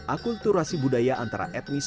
akulturasi budaya antara etnis